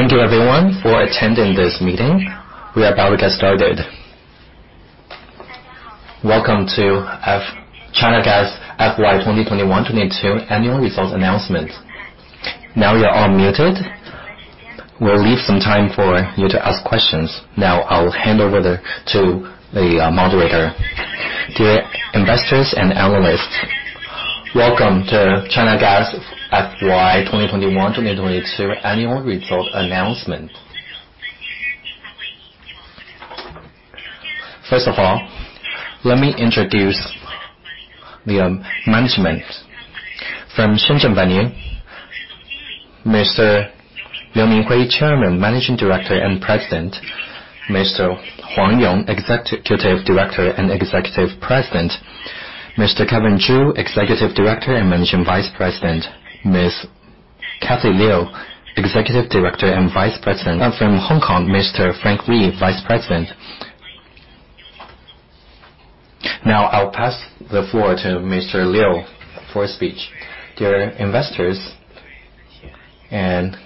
Thank you everyone for attending this meeting. We are about to get started. Welcome to China Gas FY 2021-2022 annual results announcement. Now you're all muted. We'll leave some time for you to ask questions. Dear investors and analysts, welcome to China Gas FY 2021-2022 annual result announcement. First of all, let me introduce the management. From Shenzhen venue, Mr. Liu Ming Hui, Chairman, Managing Director and President. Mr. Huang Yong, Executive Director and Executive President. Mr. Kevin Zhu, Executive Director and Managing Vice President. Ms. Kathy Liu, Executive Director and Vice President. From Hong Kong, Mr. Frank Li, Vice President. Now I'll pass the floor to Mr. Liu for a speech. Dear investors and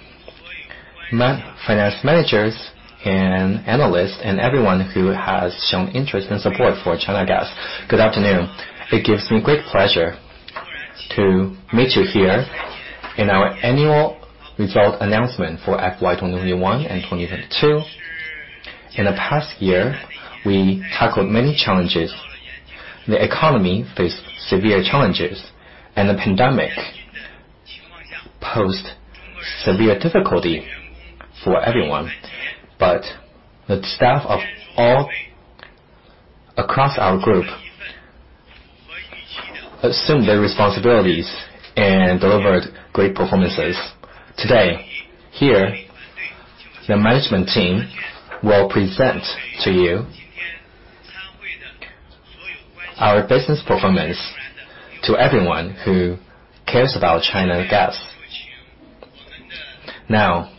finance managers and analysts, and everyone who has shown interest and support for China Gas. Good afternoon. It gives me great pleasure to meet you here in our annual result announcement for FY 2021 and 2022. In the past year, we tackled many challenges. The economy faced severe challenges, and the pandemic posed severe difficulty for everyone. The staff of all across our group assumed their responsibilities and delivered great performances. Today, here, the management team will present to you our business performance to everyone who cares about China Gas. Now,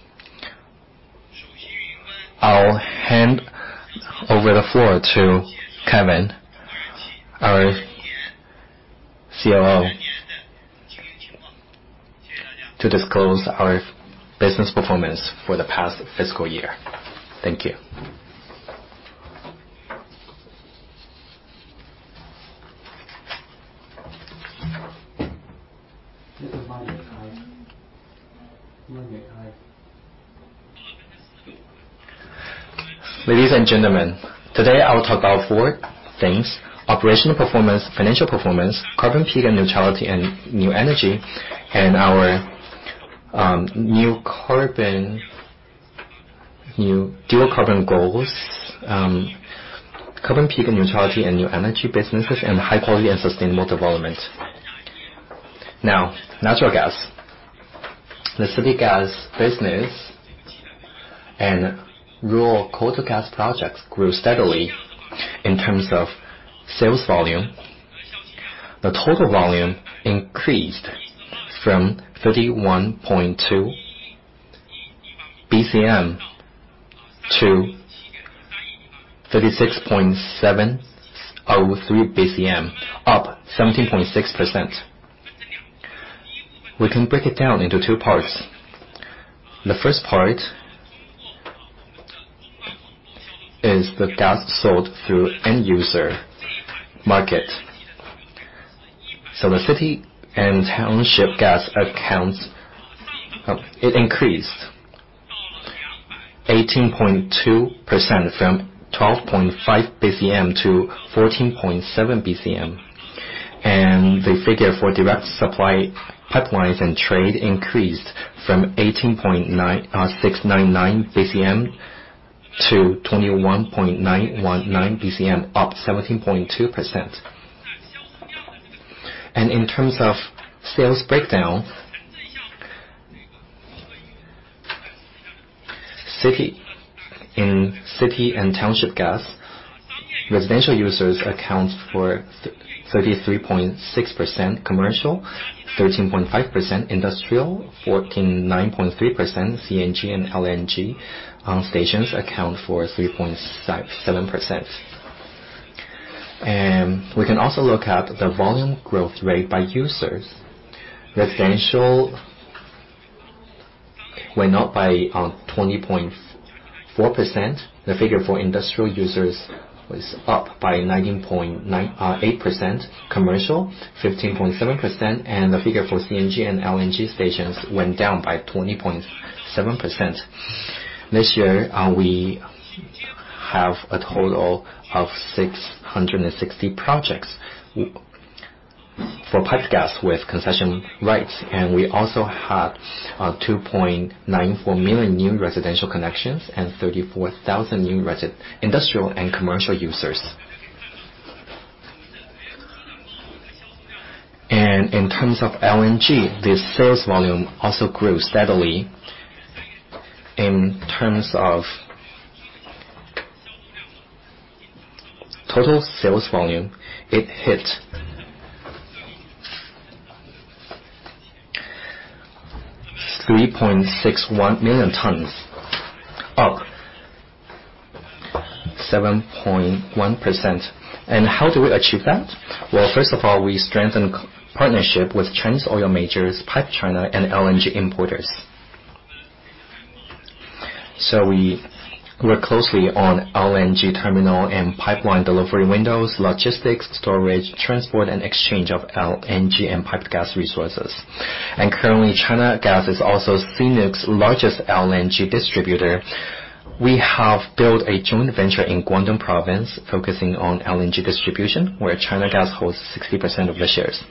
I'll hand over the floor to Kevin, our COO, to disclose our business performance for the past fiscal year. Thank you. Ladies and gentlemen, today I will talk about four things, operational performance, financial performance, carbon peak and neutrality and new energy, and our new dual carbon goals, carbon peak and neutrality and new energy businesses, and high quality and sustainable development. Now, natural gas. The city gas business and rural coal-to-gas projects grew steadily in terms of sales volume. The total volume increased from 31.2 BCM to 36.703 BCM, up 17.6%. We can break it down into two parts. The first part is the gas sold through end user market. The city and township gas accounts, it increased 18.2% from 12.5 BCM to 14.7 BCM. The figure for direct supply pipelines and trade increased from 18.699 BCM to 21.919 BCM, up 17.2%. In terms of sales breakdown, city. In city and township gas, residential users account for 33.6%, commercial 13.5%, industrial 49.3%, CNG and LNG stations account for 3.7%. We can also look at the volume growth rate by users. Residential went up by 20.4%. The figure for industrial users was up by 19.8%, commercial 15.7%, and the figure for CNG and LNG stations went down by 20.7%. This year, we have a total of 660 projects for piped gas with concession rights, and we also have 2.94 million new residential connections and 34,000 new industrial and commercial users. In terms of LNG, the sales volume also grew steadily. In terms of total sales volume, it hit 3.61 million tons, up 7.1%. How do we achieve that? Well, first of all, we strengthen partnership with Chinese oil majors, PipeChina, and LNG importers. We work closely on LNG terminal and pipeline delivery windows, logistics, storage, transport, and exchange of LNG and piped gas resources. Currently, China Gas is also CNOOC's largest LNG distributor. We have built a joint venture in Guangdong Province, focusing on LNG distribution, where China Gas holds 60% of the shares.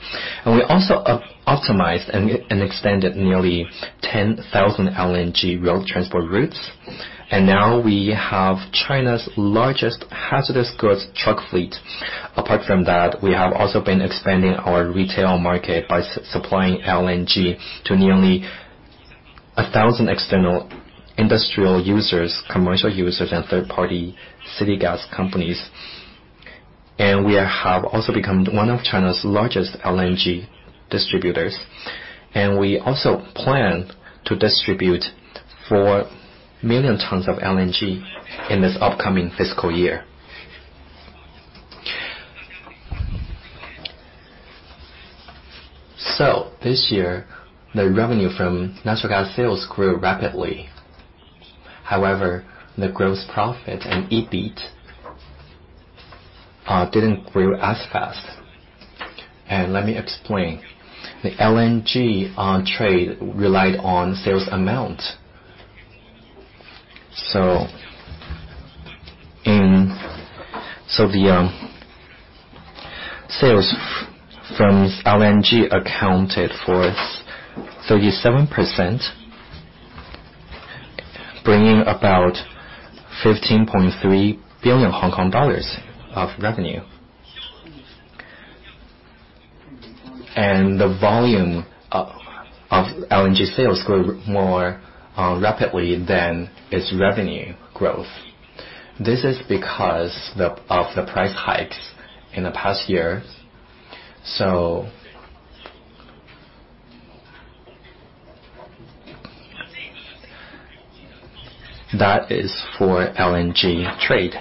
We also optimized and expanded nearly 10,000 LNG road transport routes. Now we have China's largest hazardous goods truck fleet. Apart from that, we have also been expanding our retail market by supplying LNG to nearly 1,000 external industrial users, commercial users, and third-party city gas companies. We have also become one of China's largest LNG distributors. We also plan to distribute 4 million tons of LNG in this upcoming fiscal year. This year, the revenue from natural gas sales grew rapidly. However, the gross profit and EBIT didn't grow as fast. Let me explain. The LNG trade relied on sales amount. The sales from LNG accounted for 37%, bringing about 15.3 billion Hong Kong dollars of revenue. The volume of LNG sales grew more rapidly than its revenue growth. This is because of the price hikes in the past year. That is for LNG trade.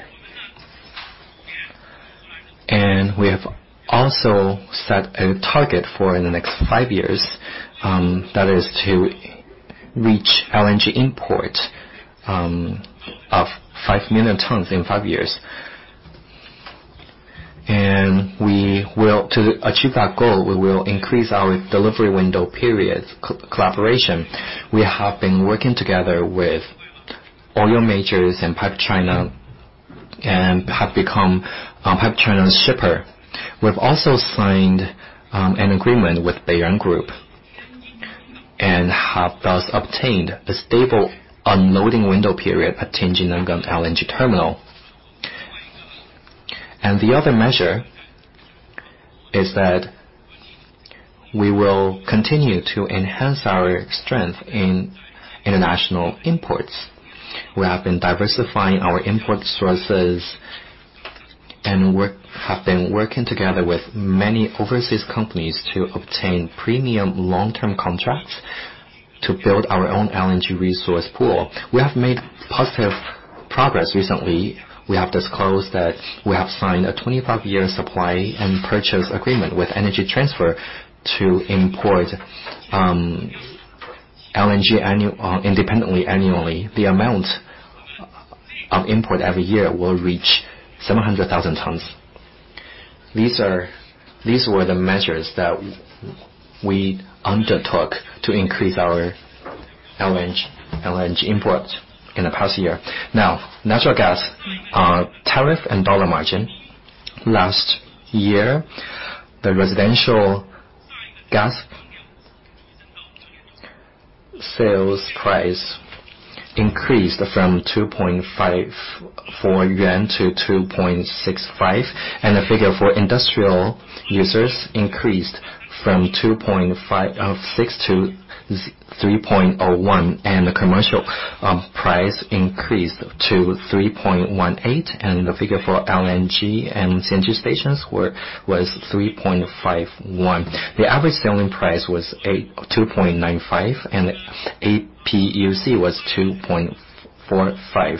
We have also set a target for the next five years, that is to reach LNG import of 5 million tons in five years. To achieve that goal, we will increase our delivery window periods co-collaboration. We have been working together with oil majors and PipeChina, and have become PipeChina's shipper. We've also signed an agreement with Beiran Group, and have thus obtained a stable unloading window period at Tianjin Nangang LNG Terminal. The other measure is that we will continue to enhance our strength in international imports. We have been diversifying our import sources and have been working together with many overseas companies to obtain premium long-term contracts to build our own LNG resource pool. We have made positive progress recently. We have disclosed that we have signed a 25-year supply and purchase agreement with Energy Transfer to import LNG independently annually. The amount of import every year will reach 700,000 tons. These were the measures that we undertook to increase our LNG import in the past year. Now, natural gas tariff and dollar margin. Last year, the residential gas sales price increased from 2.54 yuan to 2.65 yuan, and the figure for industrial users increased from 2.56 to 3.01, and the commercial price increased to 3.18, and the figure for LNG and CNG stations was 3.51. The average selling price was 2.95, and APUC was 2.45.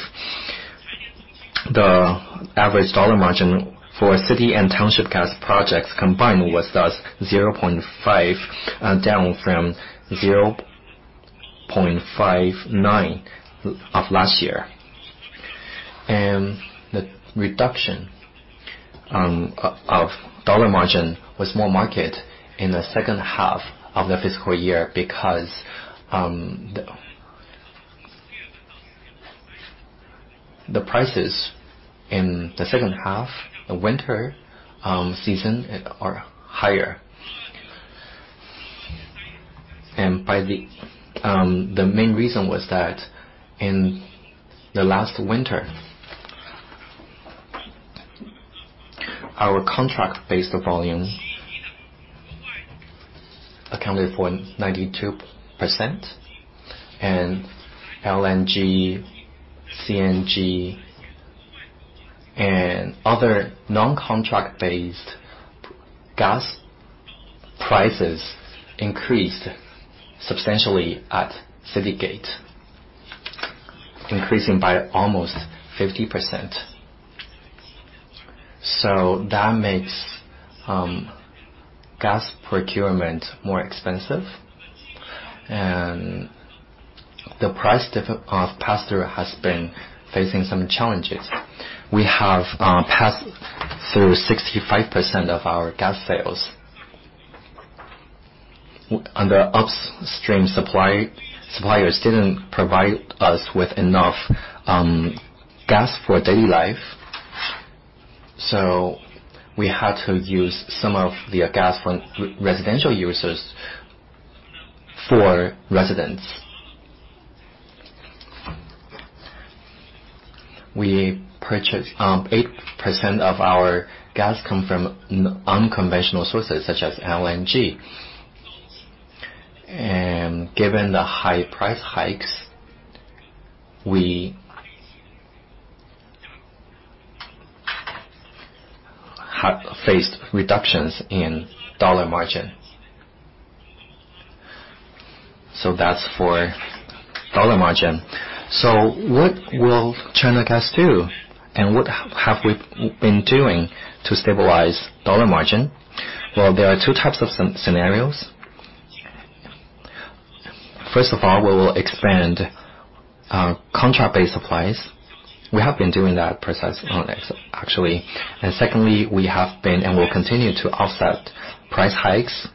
The average dollar margin for city and township gas projects combined was thus 0.5, down from 0.59 of last year. The reduction of dollar margin was more marked in the second half of the fiscal year because the prices in the second half, the winter season are higher. The main reason was that in the last winter, our contract-based volume accounted for 92%, and LNG, CNG, and other non-contract-based gas prices increased substantially at city gate, increasing by almost 50%. That makes gas procurement more expensive. The price difference of pass-through has been facing some challenges. We have passed through 65% of our gas sales. On the upstream supply. Suppliers didn't provide us with enough gas for daily life, so we had to use some of their gas from residential users for residents. We purchased 8% of our gas come from unconventional sources such as LNG. Given the high price hikes, we have faced reductions in dollar margin. That's for dollar margin. What will China Gas do, and what have we been doing to stabilize dollar margin? Well, there are two types of scenarios. First of all, we will expand our contract-based supplies. We have been doing that actually. And secondly, we have been and will continue to offset price hikes.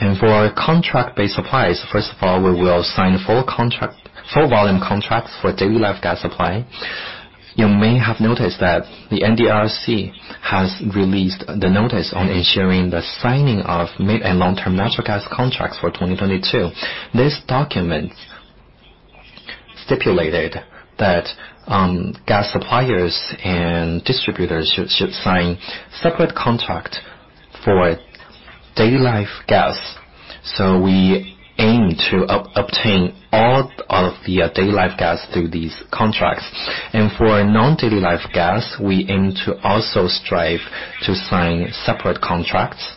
And for our contract-based supplies, first of all, we will sign full contract, full volume contracts for daily-life gas supply. You may have noticed that the NDRC has released the Notice on Ensuring the Signing of Mid and Long-term Natural Gas Contracts for 2022. This document stipulated that, gas suppliers and distributors should sign separate contract for daily life gas. We aim to obtain all of the daily life gas through these contracts. For non-daily life gas, we aim to also strive to sign separate contracts.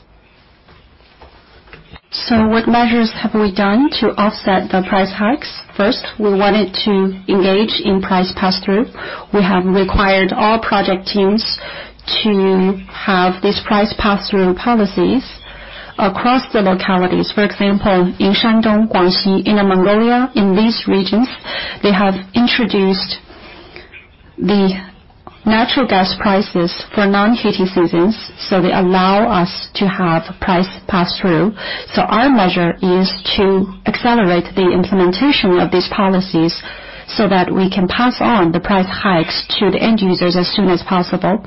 What measures have we done to offset the price hikes? First, we wanted to engage in price pass-through. We have required all project teams to have these price pass-through policies across the localities. For example, in Shandong, Guangxi, Inner Mongolia, in these regions, they have introduced the natural gas prices for non-heating seasons, so they allow us to have price pass-through. Our measure is to accelerate the implementation of these policies so that we can pass on the price hikes to the end users as soon as possible.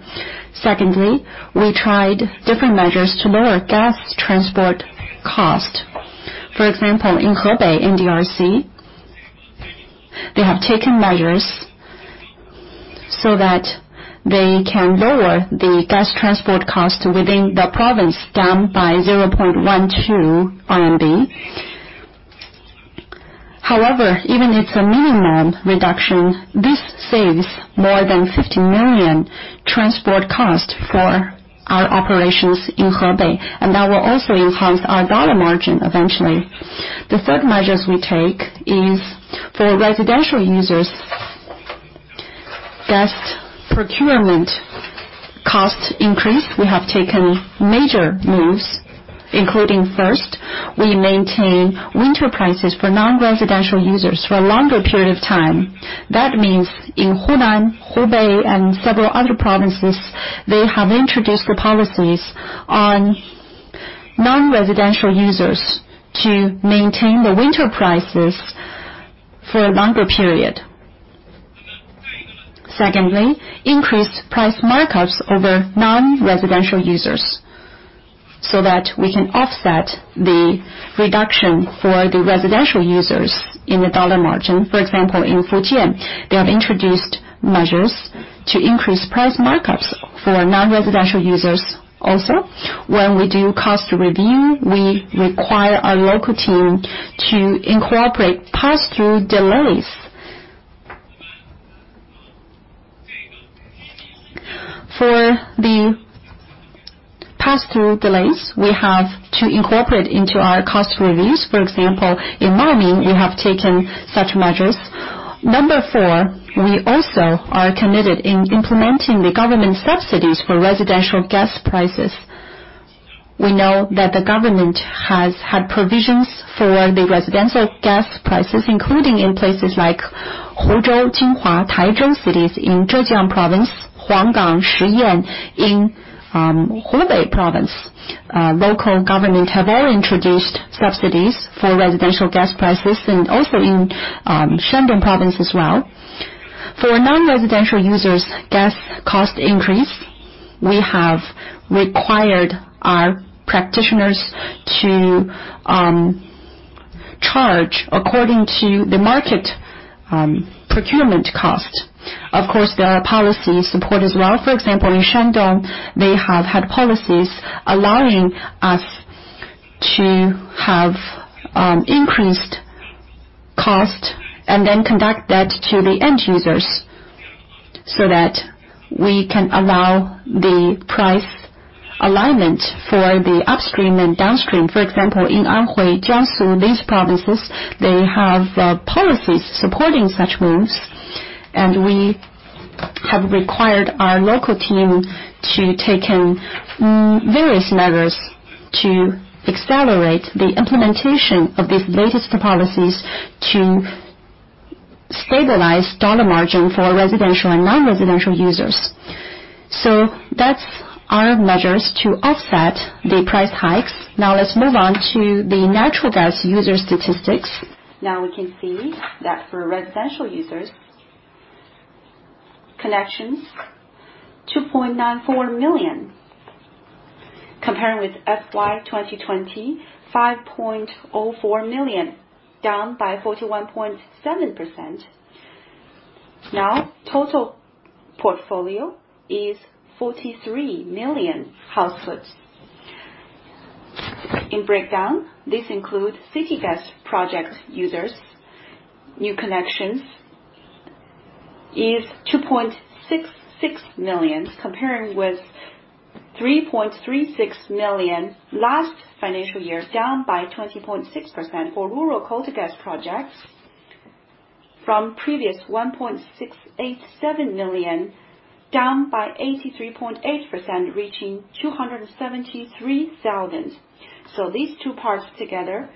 Secondly, we tried different measures to lower gas transport cost. For example, in Hebei NDRC, they have taken measures so that they can lower the gas transport cost within the province, down by 0.12 RMB. However, even it's a minimum reduction, this saves more than 50 million transport cost for our operations in Hebei, and that will also enhance our dollar margin eventually. The third measures we take is for residential users. Gas procurement cost increased. We have taken major moves, including first, we maintain winter prices for non-residential users for a longer period of time. That means in Hunan, Hebei, and several other provinces, they have introduced the policies on non-residential users to maintain the winter prices for a longer period. Secondly, increased price markups over non-residential users so that we can offset the reduction for the residential users in the dollar margin. For example, in Fujian, they have introduced measures to increase price markups for non-residential users also. When we do cost review, we require our local team to incorporate pass-through delays. For the pass-through delays, we have to incorporate into our cost reviews. For example, in Maoming, we have taken such measures. Number four, we also are committed in implementing the government subsidies for residential gas prices. We know that the government has had provisions for the residential gas prices, including in places like Huzhou, Jinhua, Taizhou cities in Zhejiang Province, Huanggang, Shiyan in Hubei Province. Local government have all introduced subsidies for residential gas prices and also in Shandong Province as well. For non-residential users gas cost increase, we have required our practitioners to charge according to the market procurement cost. Of course, there are policy support as well. For example, in Shandong, they have had policies allowing us To have increased cost and then pass that on to the end users, so that we can allow the price alignment for the upstream and downstream. For example, in Anhui, Jiangsu, these provinces, they have policies supporting such moves. We have required our local team to take various measures to accelerate the implementation of these latest policies to stabilize dollar margin for residential and non-residential users. That's our measures to offset the price hikes. Now let's move on to the natural gas user statistics. Now we can see that for residential users, connections 2.94 million, comparing with FY 2020, 5.04 million, down by 41.7%. Total portfolio is 43 million households. In breakdown, this includes city gas project users. New connections is 2.66 million, comparing with 3.36 million last financial year, down by 20.6%. For rural coal-to-gas projects, from previous 1.687 million, down by 83.8%, reaching 273,000. These two parts together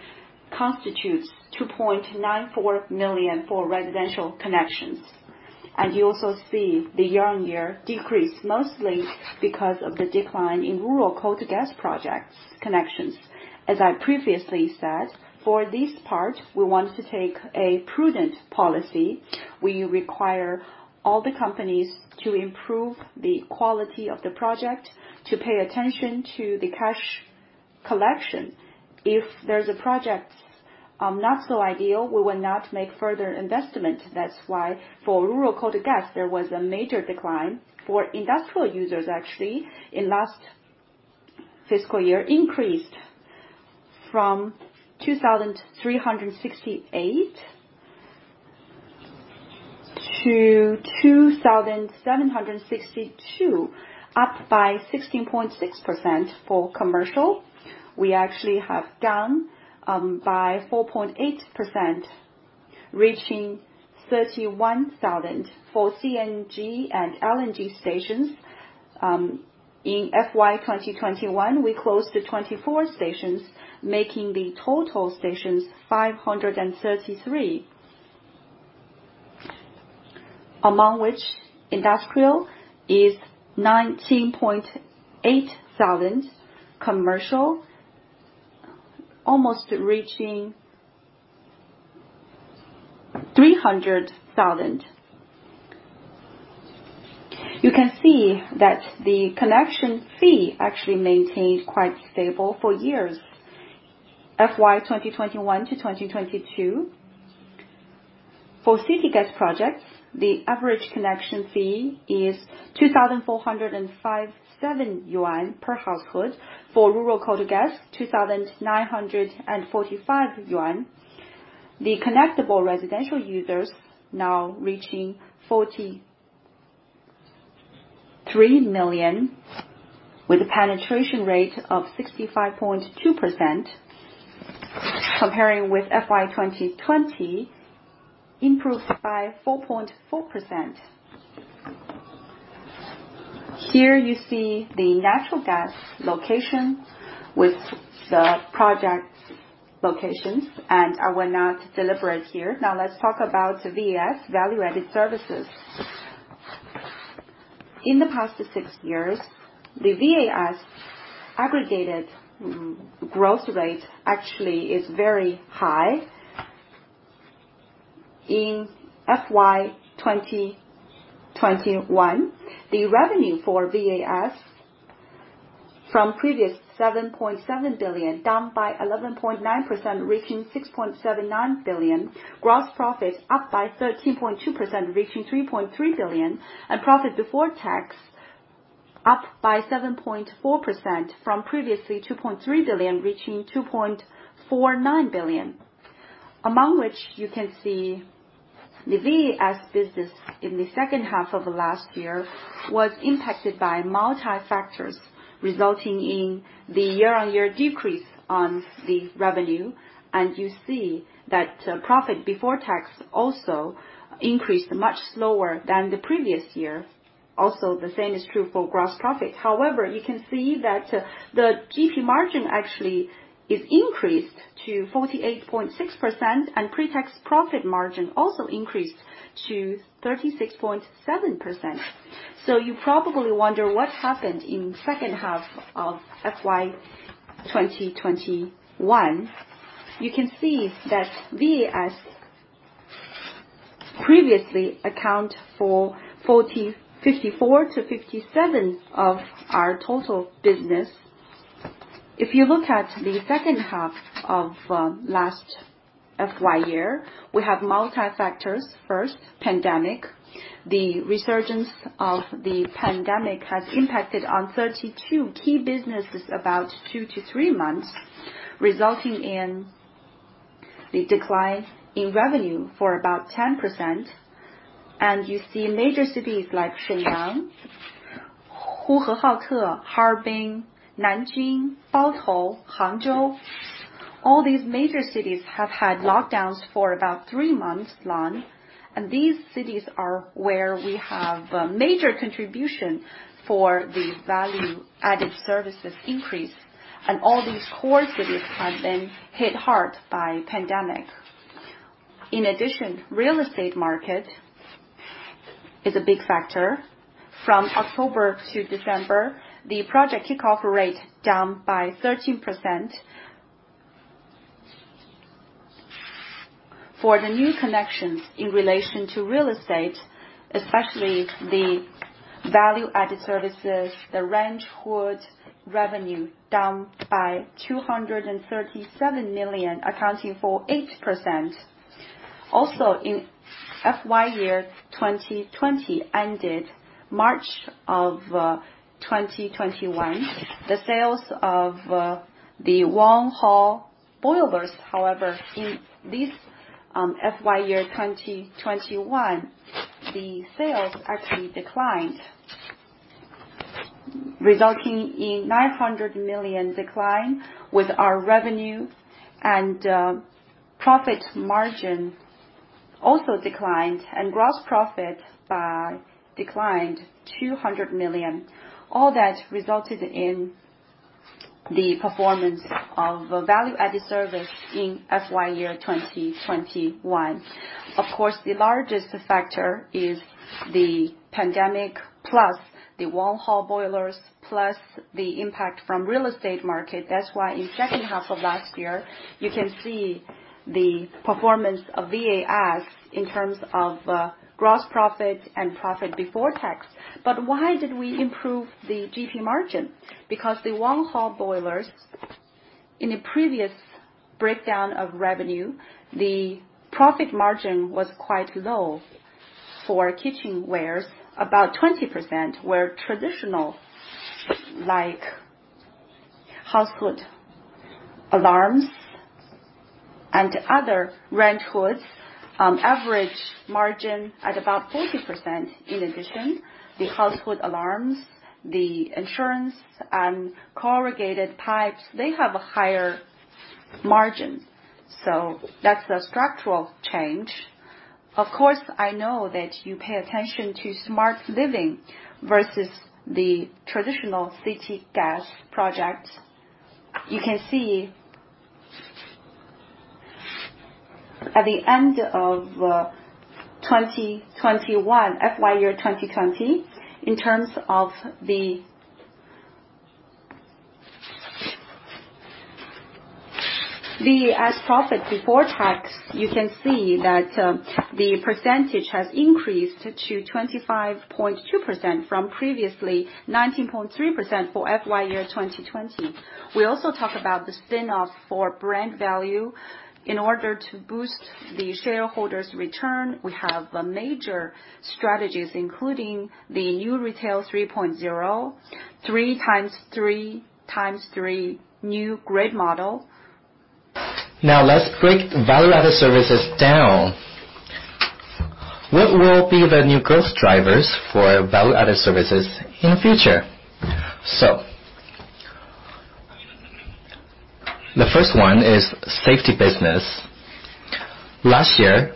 constitutes 2.94 million for residential connections. You also see the year-on-year decrease, mostly because of the decline in rural coal-to-gas projects connections. As I previously said, for this part, we want to take a prudent policy. We require all the companies to improve the quality of the project, to pay attention to the cash collection. If there's a project, not so ideal, we will not make further investment. That's why for rural coal-to-gas, there was a major decline. For industrial users, actually, in last fiscal year, increased from 2,368 to 2,762, up by 16.6%. For commercial, we actually have grown by 4.8%, reaching 31,000. For CNG and LNG stations, in FY 2021, we closed 24 stations, making the total stations 533. Among which industrial is 19,800. Commercial almost reaching 300,000. You can see that the connection fee actually maintained quite stable for years. FY 2021 to 2022. For city gas projects, the average connection fee is 2,457 yuan per household. For rural coal-to-gas, 2,945 yuan. The connectable residential users now reaching 43 million with a penetration rate of 65.2%, comparing with FY 2020, improved by 4.4%. Here you see the natural gas location with the project locations, and I will not deliberate here. Now let's talk about VAS, value-added services. In the past six years, the VAS aggregated growth rate actually is very high. In FY 2021, the revenue for VAS from previous 7.7 billion, down by 11.9%, reaching 6.79 billion. Gross profit up by 13.2%, reaching 3.3 billion. Profit before tax up by 7.4% from previously 2.3 billion, reaching 2.49 billion. Among which you can see the VAS business in the second half of last year was impacted by multiple factors, resulting in the year-on-year decrease in the revenue. You see that, profit before tax also increased much slower than the previous year. Also, the same is true for gross profit. However, you can see that, the GP margin actually is increased to 48.6%, and pre-tax profit margin also increased to 36.7%. You probably wonder what happened in second half of FY 2021. You can see that VAS previously account for 54%-57% of our total business. If you look at the second half of, last FY year, we have multiple factors. First, pandemic, the resurgence of the pandemic has impacted 32 key businesses about 2-3 months, resulting in the decline in revenue for about 10%. You see major cities like Shenyang, [Hohhot], Harbin, Nanjing, Baotou, Hangzhou, all these major cities have had lockdowns for about three months long. These cities are where we have major contribution for the value-added services increase. All these core cities have been hit hard by pandemic. In addition, real estate market is a big factor. From October to December, the project kickoff rate down by 13%. For the new connections in relation to real estate, especially the value-added services, the range hood revenue down by 237 million, accounting for 8%. Also, in FY 2020 ended March of 2021, the sales of the wall-hung boilers. However, in this FY 2021, the sales actually declined, resulting in 900 million decline in our revenue. Profit margin also declined, and gross profit declined 200 million. All that resulted in the performance of value-added service in FY 2021. Of course, the largest factor is the pandemic, plus the wall-hung boilers, plus the impact from real estate market. That's why in second half of last year, you can see the performance of VAS in terms of gross profit and profit before tax. Why did we improve the GP margin? Because the wall-hung boilers in the previous breakdown of revenue, the profit margin was quite low for kitchenwares. About 20% were traditional, like household alarms and other range hoods, average margin at about 40%. In addition, the household alarms, the insurance and corrugated pipes, they have a higher margin. That's a structural change. Of course, I know that you pay attention to smart living versus the traditional city gas project. You can see, at the end of 2021, FY 2020, in terms of the VAS profit before tax, you can see that the percentage has increased to 25.2% from previously 19.3% for FY 2020. We also talk about the spin-off for brand value. In order to boost the shareholders' return, we have major strategies, including the New Retail 3.0, 3x3x3 new grid model. Now let's break Value-Added Services down. What will be the new growth drivers for Value-Added Services in the future? The first one is safety business. Last year,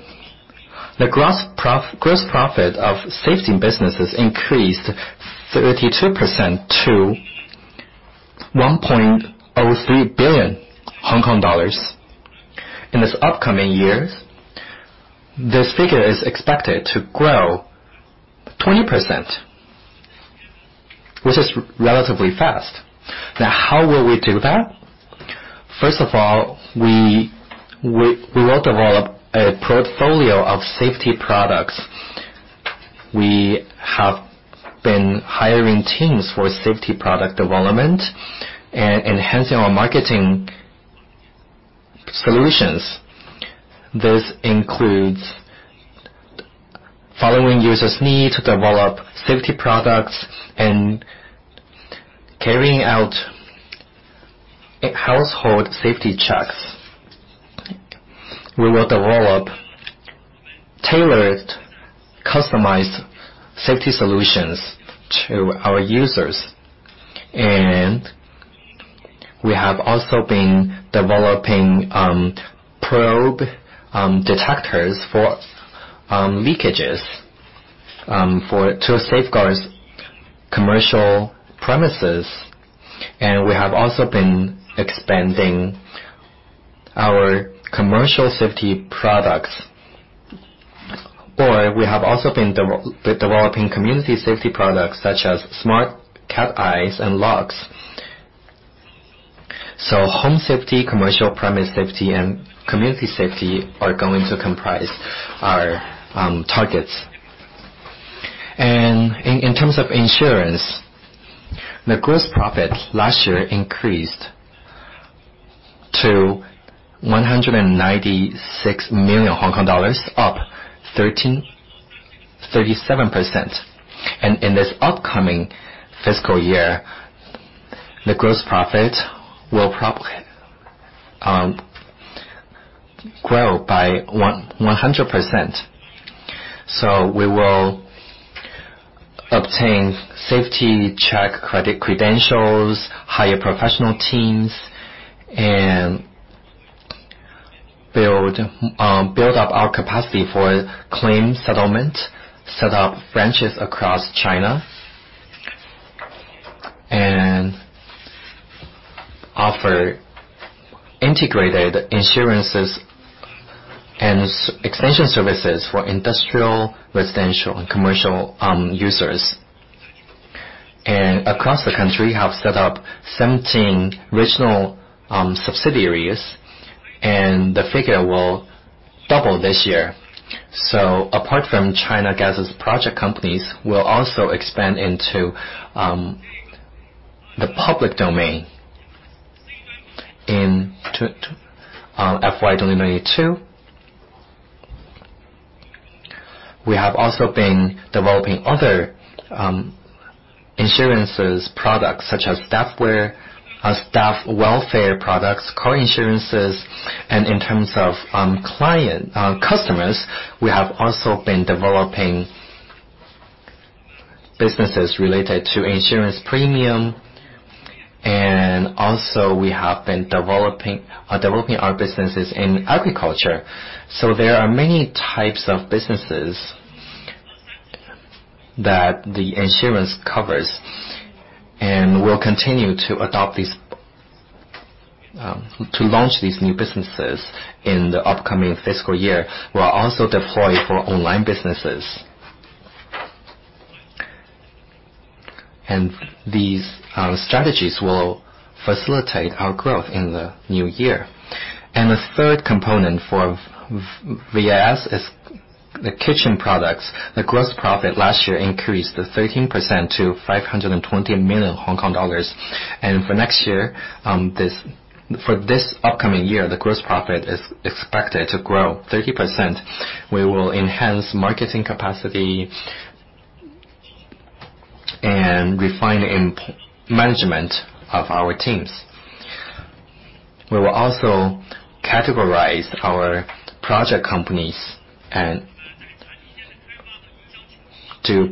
the gross profit of safety businesses increased 32% to 1.03 billion Hong Kong dollars. In this upcoming years, this figure is expected to grow 20%, which is relatively fast. Now, how will we do that? First of all, we will develop a portfolio of safety products. We have been hiring teams for safety product development and enhancing our marketing solutions. This includes following users' needs to develop safety products and carrying out household safety checks. We will develop tailored, customized safety solutions to our users. We have also been developing probe detectors for leakages to safeguard commercial premises. We have also been expanding our commercial safety products. We have also been developing community safety products such as Smart Cat Eyes and locks. Home safety, commercial premise safety, and community safety are going to comprise our targets. In terms of insurance, the gross profit last year increased to HKD 196 million, up 37%. In this upcoming fiscal year, the gross profit will grow by 100%. We will obtain safety check credit credentials, hire professional teams, and build up our capacity for claim settlement, set up branches across China, and offer integrated insurances and extension services for industrial, residential, and commercial users. Across the country, we have set up 17 regional subsidiaries, and the figure will double this year. Apart from China Gas's project companies, we will also expand into the public domain in FY 2022. We have also been developing other insurance products such as staff welfare products, car insurances. In terms of customers, we have also been developing businesses related to insurance premium, and also we have been developing our businesses in agriculture. There are many types of businesses that the insurance covers. We'll continue to adopt these to launch these new businesses in the upcoming fiscal year. We'll also deploy for online businesses. These strategies will facilitate our growth in the new year. The third component for VAS is the kitchen products. The gross profit last year increased 13% to 520 million Hong Kong dollars. For this upcoming year, the gross profit is expected to grow 30%. We will enhance marketing capacity and refine management of our teams. We will also categorize our project companies and do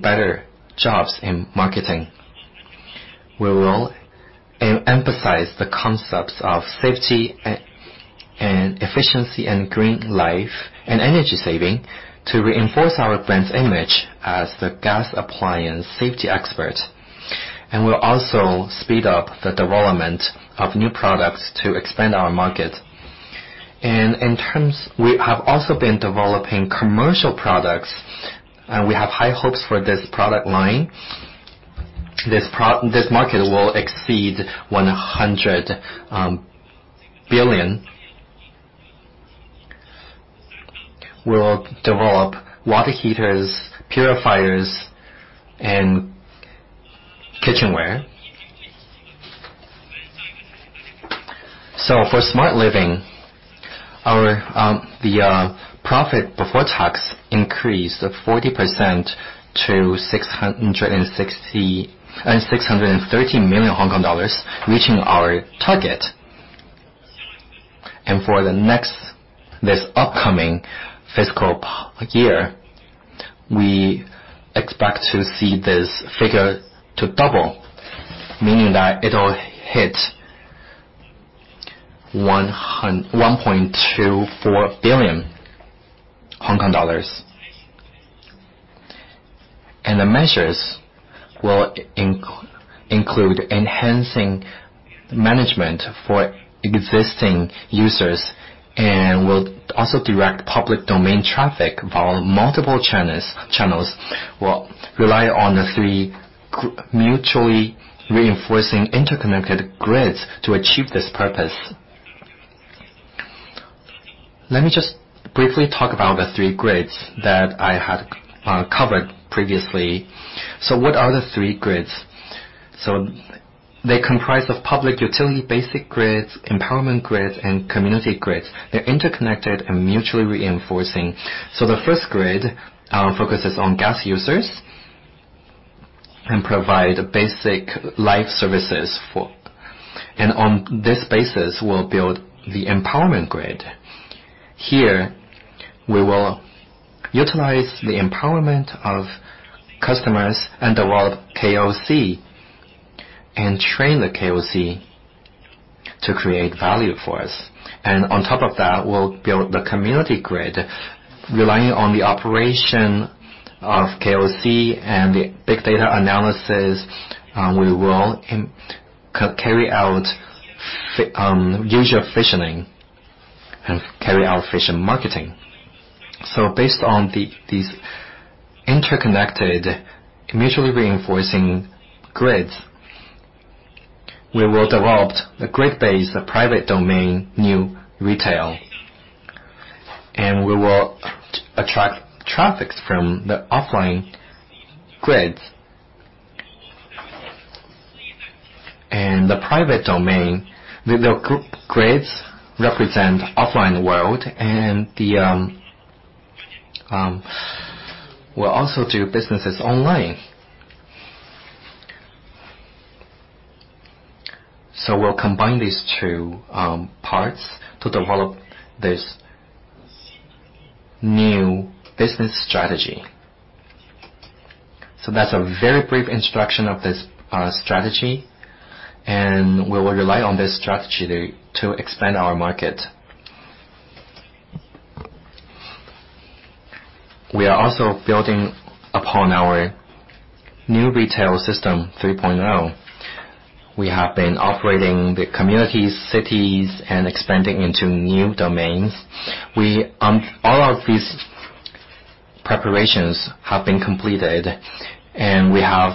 better jobs in marketing. We will emphasize the concepts of safety and efficiency and green life and energy saving to reinforce our brand's image as the gas appliance safety expert. We'll also speed up the development of new products to expand our market. We have also been developing commercial products, and we have high hopes for this product line. This market will exceed 100 million. We'll develop water heaters, purifiers, and kitchenware. For smart living, our profit before tax increased 40% to 630 million Hong Kong dollars, reaching our target. This upcoming fiscal year, we expect to see this figure to double, meaning that it'll hit 1.24 billion Hong Kong dollars. The measures will include enhancing management for existing users, and we'll also direct public domain traffic via multiple channels. We'll rely on the three mutually reinforcing interconnected grids to achieve this purpose. Let me just briefly talk about the three grids that I had covered previously. What are the three grids? They comprise of public utility basic grids, empowerment grids, and community grids. They're interconnected and mutually reinforcing. The first grid focuses on gas users and provide basic life services for. On this basis, we'll build the empowerment grid. Here, we will utilize the empowerment of customers and develop KOC and train the KOC to create value for us. On top of that, we'll build the community grid. Relying on the operation of KOC and the big data analysis, we will carry out user fissioning and carry out fission marketing. Based on these interconnected, mutually reinforcing grids, we will develop the grid base, the private domain, new retail, and we will attract traffic from the offline grids. The private domain, with the grids represent offline world and the, we'll also do businesses online. We'll combine these two parts to develop this new business strategy. That's a very brief introduction of this strategy, and we will rely on this strategy to expand our market. We are also building upon our New Retail 3.0. We have been operating the communities, cities, and expanding into new domains. We all of these preparations have been completed and we have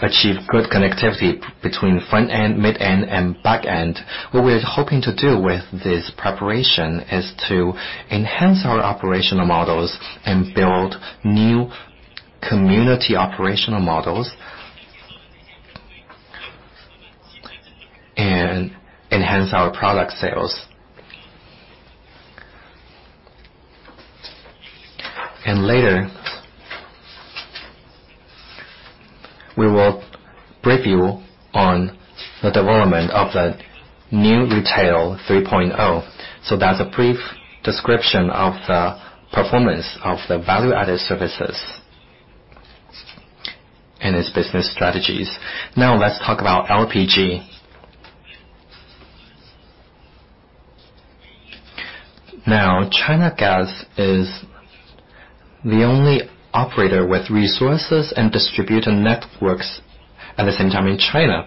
achieved good connectivity between frontend, mid-end, and backend. What we're hoping to do with this preparation is to enhance our operational models and build new community operational models. Enhance our product sales. Later, we will brief you on the development of the New Retail 3.0. That's a brief description of the performance of the Value-Added Services and its business strategies. Now let's talk about LPG. China Gas is the only operator with resources and distributor networks at the same time in China.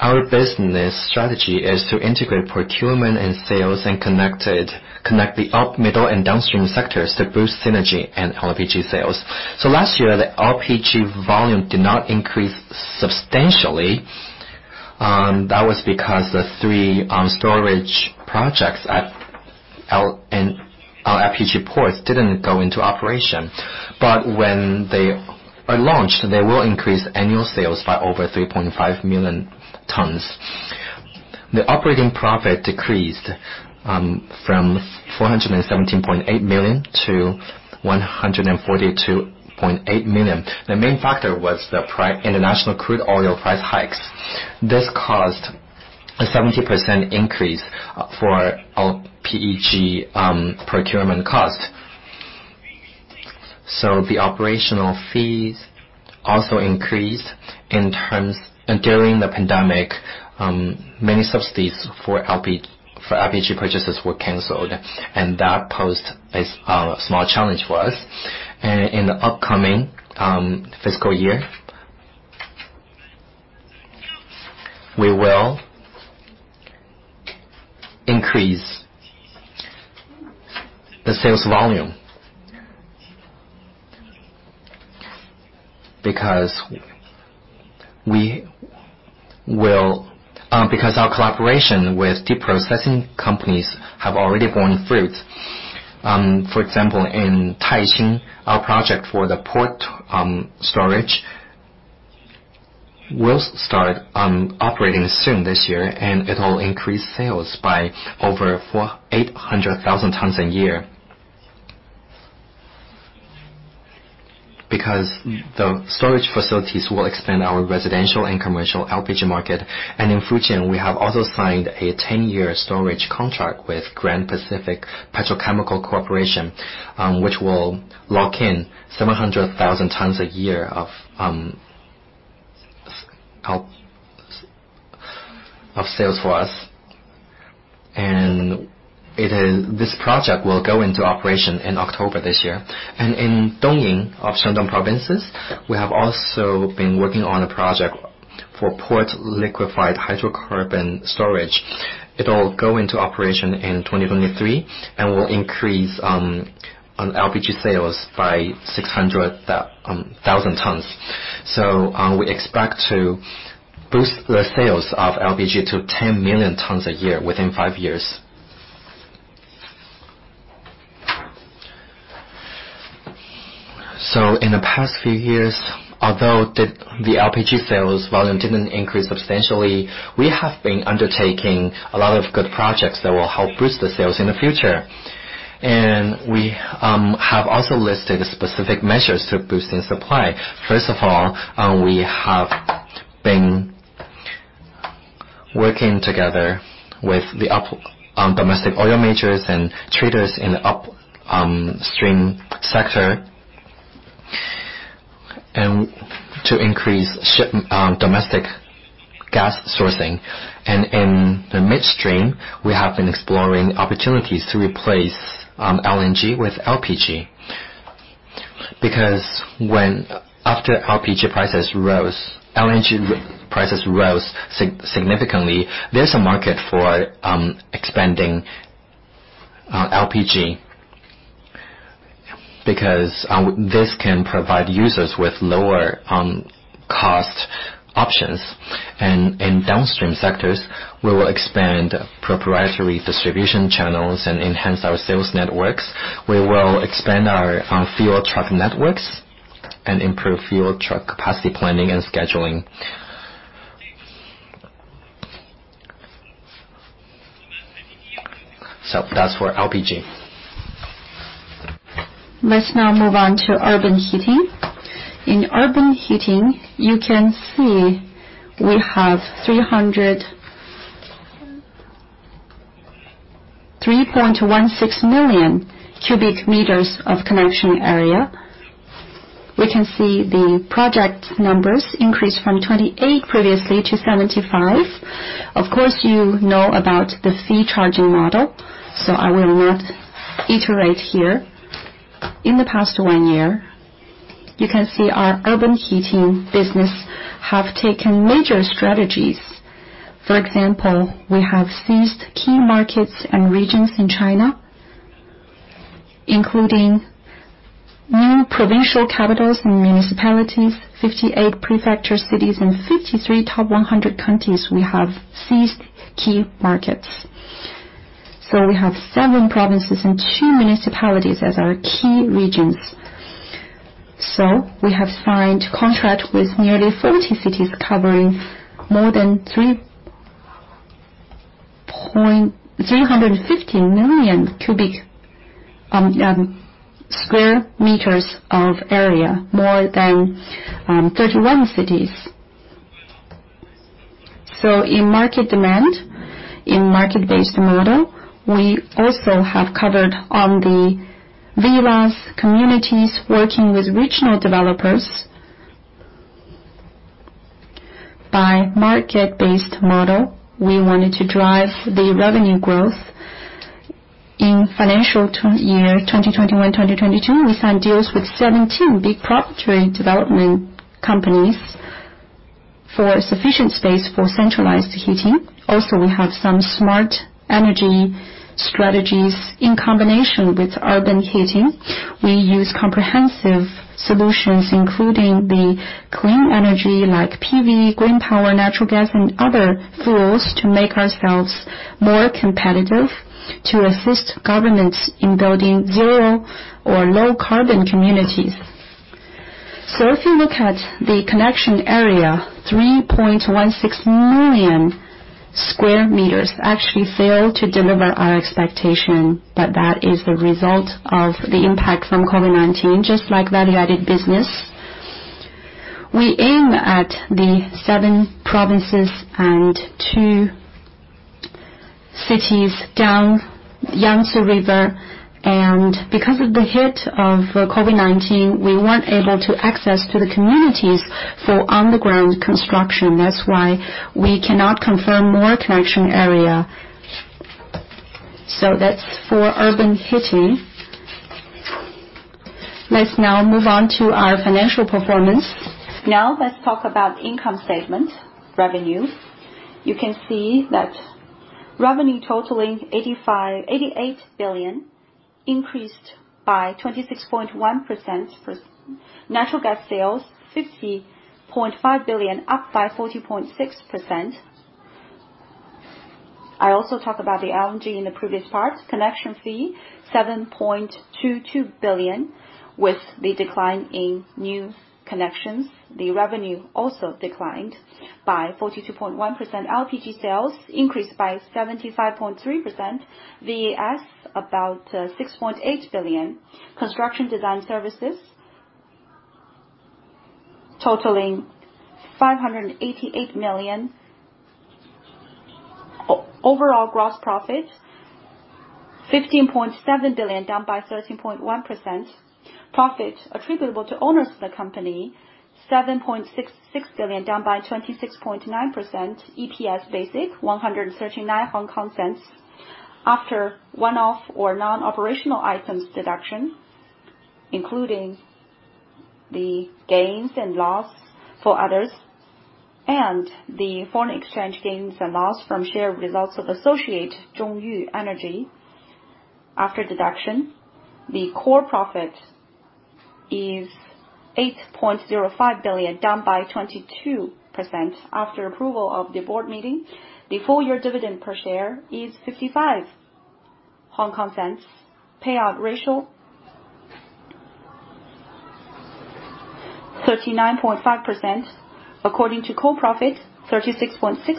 Our business strategy is to integrate procurement and sales and connect the up, middle, and downstream sectors to boost synergy and LPG sales. Last year, the LPG volume did not increase substantially. That was because the three storage projects at LPG ports didn't go into operation. When they are launched, they will increase annual sales by over 3.5 million tons. The operating profit decreased from 417.8 million to 142.8 million. The main factor was the international crude oil price hikes. This caused a 70% increase for LPG procurement cost. The operational fees also increased in terms. During the pandemic, many subsidies for LPG purchases were canceled, and that posed a small challenge for us. In the upcoming fiscal year, we will increase the sales volume because our collaboration with deep processing companies have already borne fruit. For example, in Taixing, our project for the port storage will start operating soon this year, and it'll increase sales by over 800,000 tons a year. Because the storage facilities will expand our residential and commercial LPG market. In Fujian, we have also signed a 10-year storage contract with Grand Pacific Petrochemical Corporation, which will lock in 700,000 tons a year of sales for us. This project will go into operation in October this year. In Dongying of Shandong province, we have also been working on a project for port liquefied hydrocarbon storage. It'll go into operation in 2023 and will increase LPG sales by 600,000 tons. We expect to boost the sales of LPG to 10 million tons a year within five years. In the past few years, although the LPG sales volume didn't increase substantially, we have been undertaking a lot of good projects that will help boost the sales in the future. We have also listed specific measures to boost supply. First of all, we have been working together with the domestic oil majors and traders in the upstream sector, and to increase domestic gas sourcing. In the midstream, we have been exploring opportunities to replace LNG with LPG. Because after LNG prices rose significantly. There's a market for expanding LPG. Because this can provide users with lower cost options. In downstream sectors, we will expand proprietary distribution channels and enhance our sales networks. We will expand our fuel truck networks and improve fuel truck capacity planning and scheduling. That's for LPG. Let's now move on to urban heating. In urban heating, you can see we have 3.16 million sqm of connection area. We can see the project numbers increased from 28 previously to 47. Of course, you know about the fee charging model, so I will not iterate here. In the past one year, you can see our urban heating business have taken major strategies. For example, we have seized key markets and regions in China, including new provincial capitals and municipalities, 58 prefecture cities, and 53 top 100 counties. We have seven provinces and two municipalities as our key regions. We have signed contract with nearly 40 cities, covering more than 350 million sqm of area, more than 31 cities. In market demand, in market-based model, we also have covered on the villas, communities working with regional developers. By market-based model, we wanted to drive the revenue growth. In financial year 2021, 2022, we signed deals with 17 big property development companies for sufficient space for centralized heating. Also, we have some smart energy strategies in combination with urban heating. We use comprehensive solutions, including the clean energy like PV, green power, natural gas, and other fuels to make ourselves more competitive to assist governments in building zero or low carbon communities. If you look at the connection area, 3.16 million square meters actually failed to deliver our expectation, but that is the result of the impact from COVID-19, just like value-added business. We aim at the seven provinces and two cities down the Yangtze River, and because of the hit of COVID-19, we weren't able to access the communities for underground construction. That's why we cannot confirm more connection area. That's for urban heating. Let's now move on to our financial performance. Now, let's talk about income statement revenues. You can see that revenue totaling 88 billion increased by 26.1%. Natural gas sales, 50.5 billion, up by 40.6%. I also talked about the LNG in the previous part. Connection fee, 7.22 billion. With the decline in new connections, the revenue also declined by 42.1%. LPG sales increased by 75.3%. VAS, about 6.8 billion. Construction design services totaling HKD 588 million. Overall gross profit, 15.7 billion, down 13.1%. Profit attributable to owners of the company, 7.66 billion, down 26.9%. EPS basic, 1.39. After one-off or non-operational items deduction, including the gains and losses from others and the foreign exchange gains and losses from share of results of associate Zhongyu Energy. After deduction, the core profit is 8.05 billion, down 22%. After approval of the board meeting, the full year dividend per share is 0.55. Payout ratio 39.5%. According to core profit, 36.6%.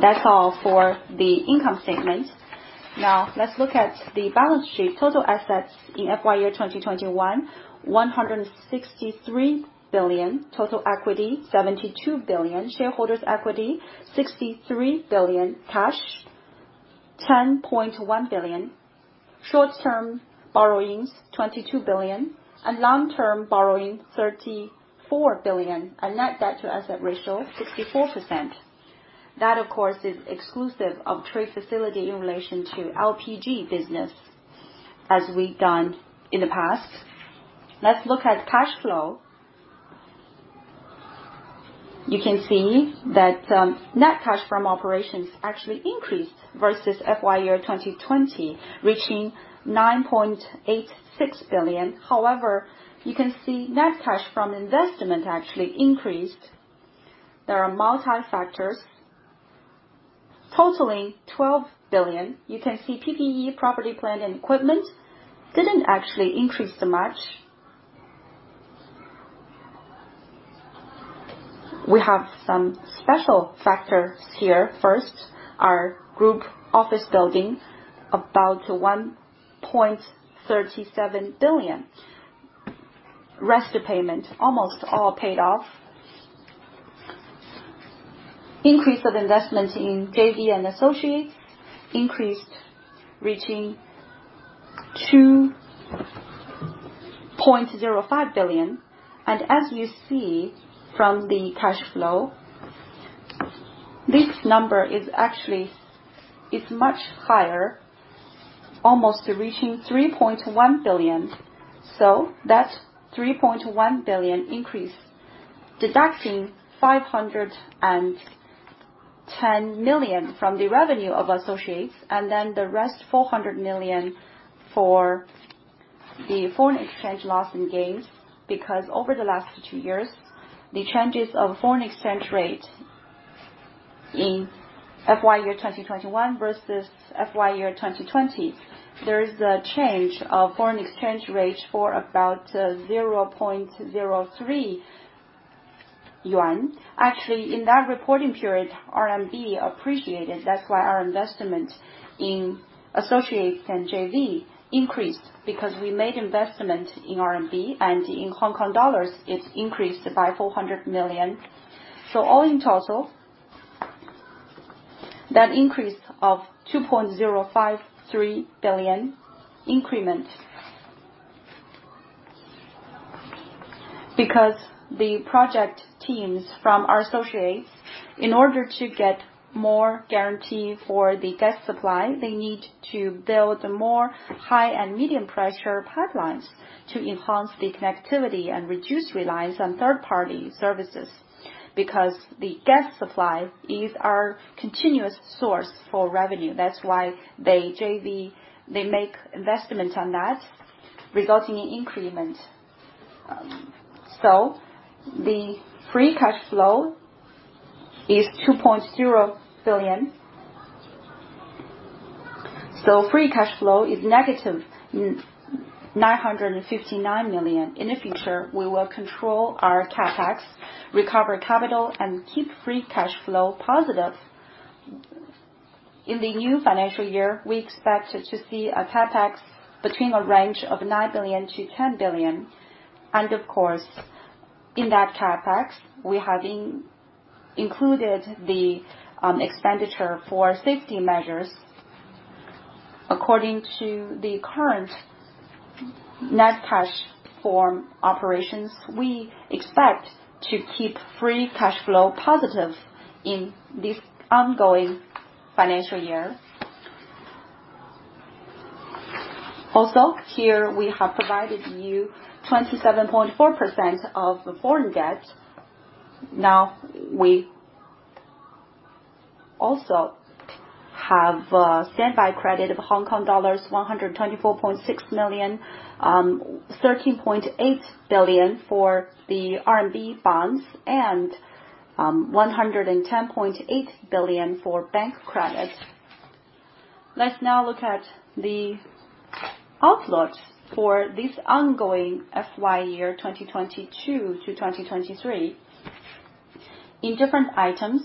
That's all for the income statement. Now, let's look at the balance sheet. Total assets in FY 2021, 163 billion. Total equity, 72 billion. Shareholders equity, 63 billion. Cash, 10.1 billion. Short-term borrowings, 22 billion, and long-term borrowing, 34 billion. Net debt to asset ratio, 64%. That, of course, is exclusive of trade facility in relation to LPG business as we've done in the past. Let's look at cash flow. You can see that, net cash from operations actually increased versus FY 2020, reaching 9.86 billion. However, you can see net cash from investment actually increased. There are multiple factors totaling 12 billion. You can see PPE, property plant and equipment, didn't actually increase that much. We have some special factors here. First, our group office building, about 1.37 billion. Rest of payment, almost all paid off. Increase of investment in JV and associates increased, reaching 2.05 billion. As you see from the cash flow, this number is actually much higher, almost reaching 3.1 billion. That's 3.1 billion increase, deducting 510 million from the revenue of associates, and then the rest, 400 million for the foreign exchange loss and gains. Because over the last two years, the changes of foreign exchange rate in FY 2021 versus FY 2020, there is a change of foreign exchange rate for about 0.03 yuan. Actually, in that reporting period, RMB appreciated. That's why our investment in associates and JV increased because we made investment in RMB and in Hong Kong dollars, it's increased by 400 million. All in total, that increase of 2.053 billion increment. Because the project teams from our associates, in order to get more guarantee for the gas supply, they need to build more high and medium pressure pipelines to enhance the connectivity and reduce reliance on third-party services. Because the gas supply is our continuous source for revenue, that's why the JV, they make investment on that, resulting in increment. The free cash flow is 2.0 billion. Free cash flow is -959 million. In the future, we will control our CapEx, recover capital, and keep free cash flow positive. In the new financial year, we expect to see a CapEx between a range of 9 billion-10 billion. Of course, in that CapEx, we have included the expenditure for safety measures. According to the current net cash from operations, we expect to keep free cash flow positive in this ongoing financial year. Also, here we have provided you 27.4% of the foreign debt. Now, we also have standby credit of Hong Kong dollars 124.6 million, 13.8 billion for the RMB bonds, and 110.8 billion for bank credit. Let's now look at the outlook for this ongoing FY year 2022-2023. In different items,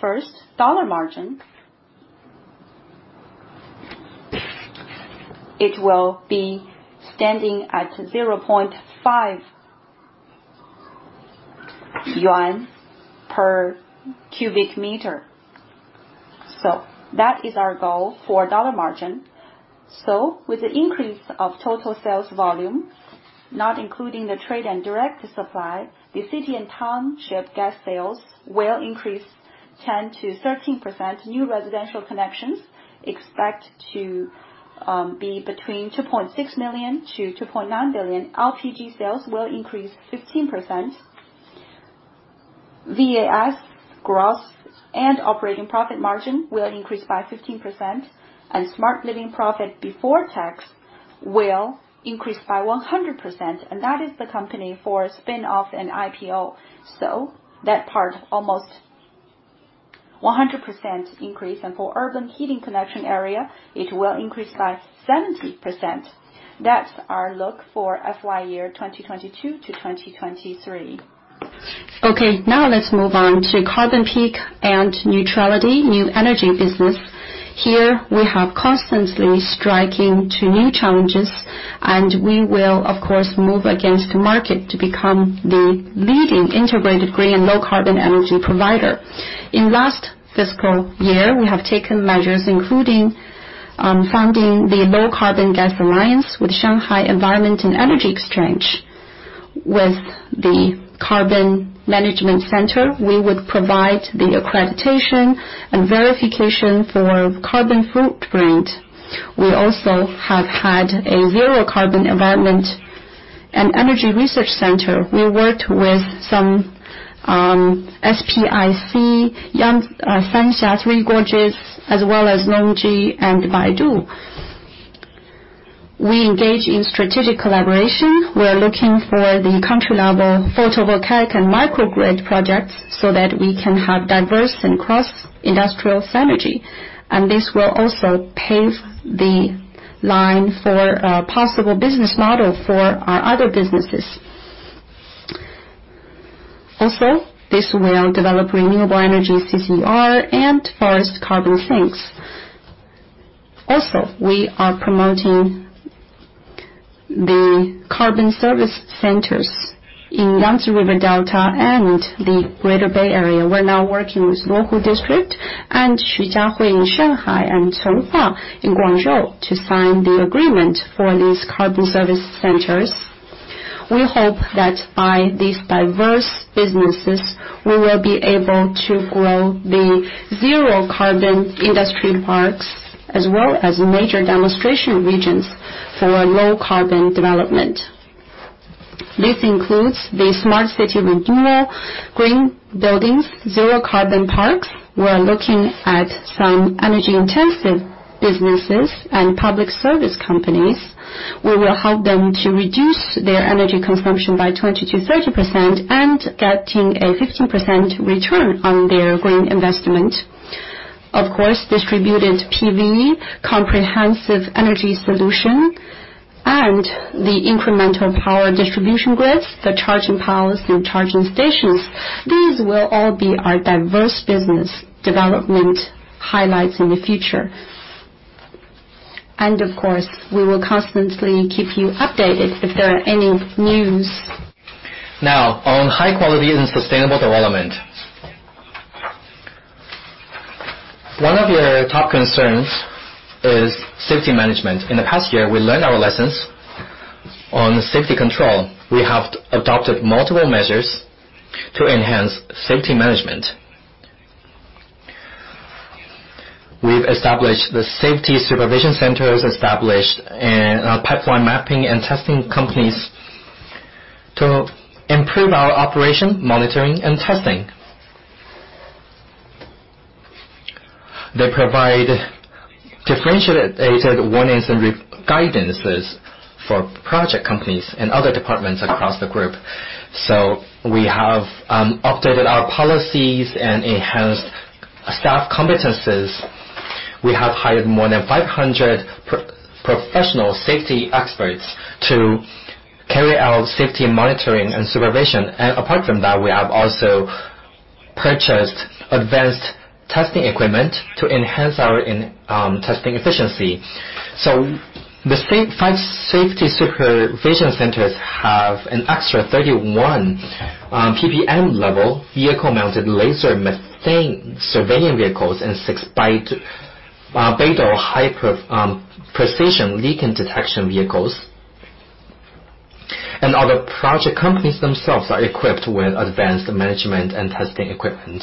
first, dollar margin. It will be standing at 0.5 yuan per cubic meter. That is our goal for dollar margin. With the increase of total sales volume, not including the trade and direct supply, the city and township gas sales will increase 10%-13%. New residential connections expect to be between 2.6 million-2.9 million. LPG sales will increase 15%. VAS gross and operating profit margin will increase by 15%, and smart living profit before tax will increase by 100%, and that is the company for spin-off and IPO. That part, almost 100% increase. For urban heating connection area, it will increase by 70%. That's our outlook for FY 2022-2023. Okay, now let's move on to carbon peak and neutrality, new energy business. Here, we have constantly striving to new challenges, and we will of course move ahead of the market to become the leading integrated green low-carbon energy provider. In last fiscal year, we have taken measures including funding the Low Carbon Gas Alliance with Shanghai Environment and Energy Exchange. With the carbon management center, we would provide the accreditation and verification for carbon footprint. We also have had a zero carbon environment. Energy Research Center, we worked with some SPIC, China Three Gorges Corporation, as well as Longi and Baidu. We engage in strategic collaboration. We are looking for the country level photovoltaic and microgrid projects so that we can have diverse and cross-industrial synergy, and this will also pave the way for a possible business model for our other businesses. Also, this will develop renewable energy CCER and forest carbon sinks. Also, we are promoting the carbon service centers in Yangtze River Delta and the Greater Bay Area. We're now working with Luohu District and Xujiahui in Shanghai and Conghua in Guangzhou to sign the agreement for these carbon service centers. We hope that by these diverse businesses, we will be able to grow the zero carbon industry parks, as well as major demonstration regions for low carbon development. This includes the smart city renewal, green buildings, zero carbon parks. We are looking at some energy-intensive businesses and public service companies. We will help them to reduce their energy consumption by 20%-30%, and getting a 15% return on their green investment. Of course, distributed PV, comprehensive energy solution, and the incremental power distribution grids, the charging piles and charging stations. These will all be our diverse business development highlights in the future. Of course, we will constantly keep you updated if there are any news. Now, on high quality and sustainable development. One of your top concerns is safety management. In the past year, we learned our lessons on safety control. We have adopted multiple measures to enhance safety management. We've established the safety supervision centers, established a pipeline mapping and testing companies to improve our operation, monitoring and testing. They provide differentiated warnings and guidances for project companies and other departments across the group. We have updated our policies and enhanced staff competencies. We have hired more than 500 professional safety experts to carry out safety monitoring and supervision. Apart from that, we have also purchased advanced testing equipment to enhance our testing efficiency. The five safety supervision centers have an extra 31 PPM-level vehicle-mounted laser methane surveying vehicles and six BeiDou high precision leakage detection vehicles. Other project companies themselves are equipped with advanced management and testing equipment.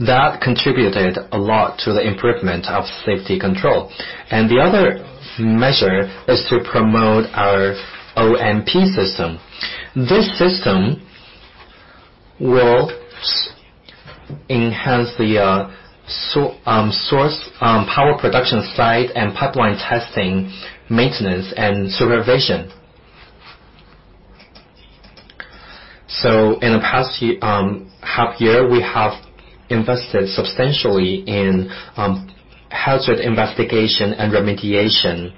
That contributed a lot to the improvement of safety control. The other measure is to promote our OMP system. This system will enhance the source power production site and pipeline testing, maintenance and supervision. In the past half year, we have invested substantially in hazard investigation and remediation.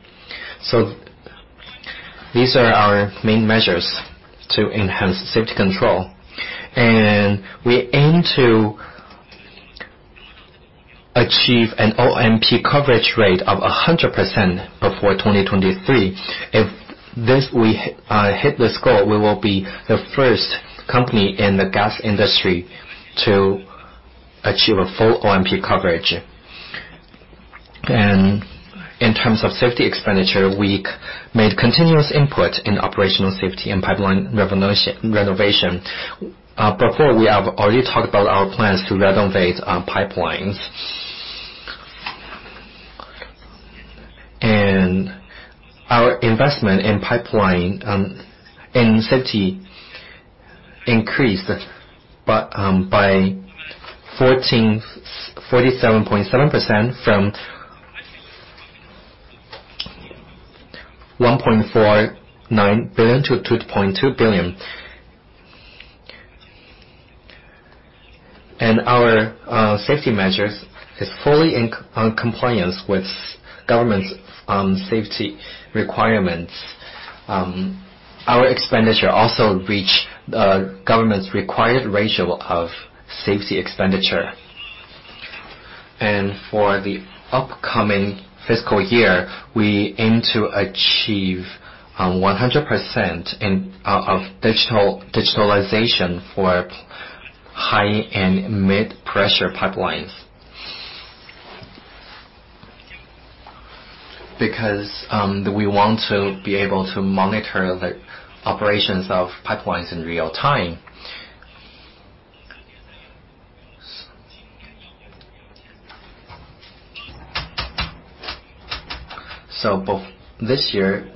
These are our main measures to enhance safety control. We aim to achieve an OMP coverage rate of 100% before 2023. If we hit this goal, we will be the first company in the gas industry to achieve a full OMP coverage. In terms of safety expenditure, we made continuous input in operational safety and pipeline renovation. Before, we have already talked about our plans to renovate our pipelines. Our investment in pipeline safety increased by 47.7% from 1.49 billion to 2.2 billion. Our safety measures is fully in compliance with government's safety requirements. Our expenditure also reach the government's required ratio of safety expenditure. For the upcoming fiscal year, we aim to achieve 100% of digitalization for high and mid-pressure pipelines. We want to be able to monitor the operations of pipelines in real time. This year,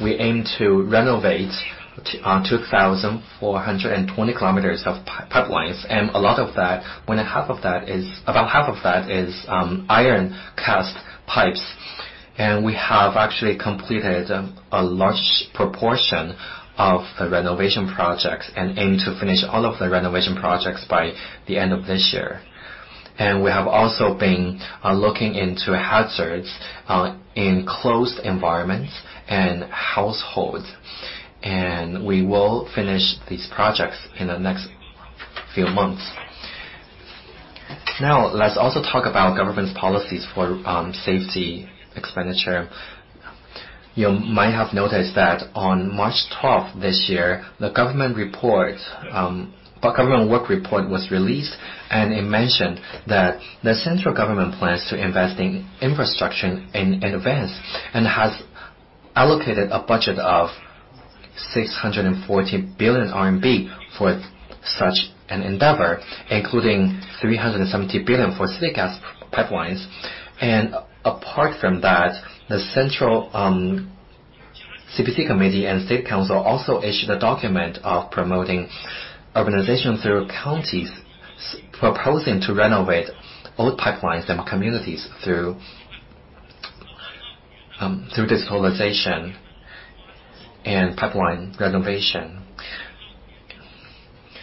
we aim to renovate 2,400 km of pipelines, and a lot of that, about half of that is cast iron pipes. We have actually completed a large proportion of the renovation projects and aim to finish all of the renovation projects by the end of this year. We have also been looking into hazards in closed environments and households, and we will finish these projects in the next few months. Now, let's also talk about government's policies for safety expenditure. You might have noticed that on March 12th this year, the government report, government work report was released, and it mentioned that the central government plans to invest in infrastructure and advance, and has allocated a budget of 640 billion RMB for such an endeavor, including 370 billion for city gas pipelines. Apart from that, the central CPC Committee and State Council also issued a document of Promoting Urbanization through Counties, proposing to renovate old pipelines and communities through this organization and pipeline renovation.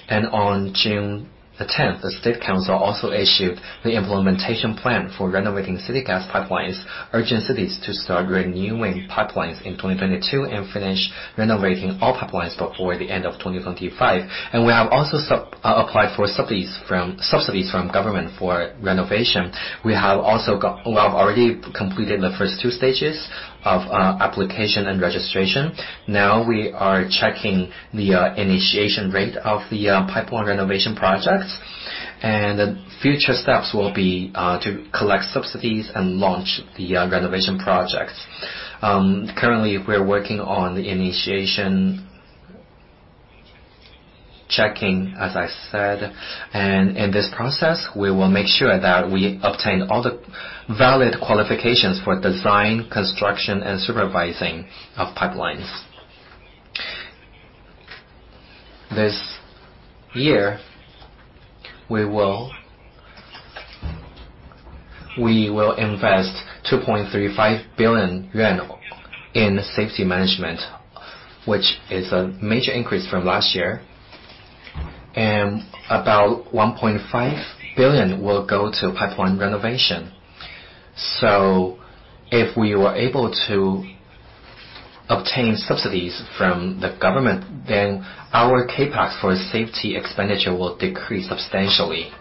On June 10th, the State Council also issued the implementation plan for renovating city gas pipelines, urging cities to start renewing pipelines in 2022 and finish renovating all pipelines before the end of 2025. We have also applied for subsidies from government for renovation. We have already completed the first two stages of application and registration. Now we are checking the initiation rate of the pipeline renovation project. The future steps will be to collect subsidies and launch the renovation project. Currently we're working on the initiation checking, as I said. In this process, we will make sure that we obtain all the valid qualifications for design, construction, and supervising of pipelines. This year we will invest 2.35 billion yuan in safety management, which is a major increase from last year. About 1.5 billion will go to pipeline renovation. If we were able to obtain subsidies from the government, then our CapEx for safety expenditure will decrease substantially.